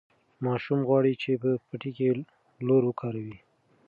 ماشوم غواړي چې په پټي کې لور وکاروي.